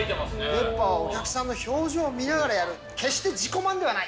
熱波はお客さんの表情を見ながらやる、決して自己満ではない。